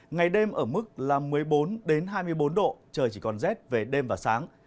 ngày đêm ở mức là một mươi bốn hai mươi bốn độ trời chỉ còn rét về đêm và sáng